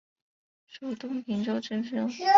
授东平州知州。